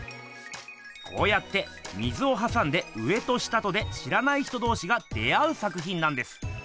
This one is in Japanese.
こうやって水をはさんで上と下とで知らない人どうしが出会う作ひんなんです。